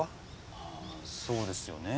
ああそうですよね。